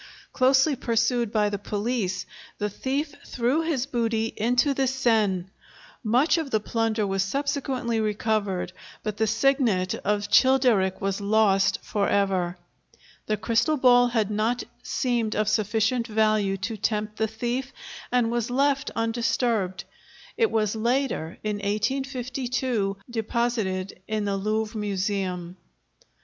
Closely pursued by the police, the thief threw his booty into the Seine; much of the plunder was subsequently recovered, but the signet of Childeric was lost for ever. The crystal ball had not seemed of sufficient value to tempt the thief and was left undisturbed; it was later, in 1852, deposited in the Louvre Museum.